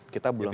kita belum tahu